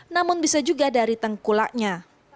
namun bisa juga dari tengkulaknya